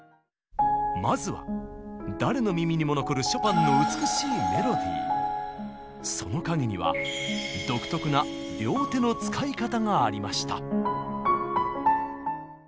まずは誰の耳にも残るショパンのその陰には独特な両手の使い方がありました。